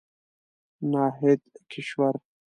ناهيد کشور